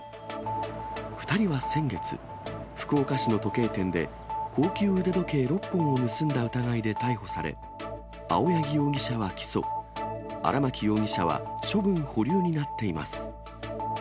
２人は先月、福岡市の時計店で高級腕時計６本を盗んだ疑いで逮捕され、青柳容疑者は起訴、荒巻容疑者は処分保留になっています。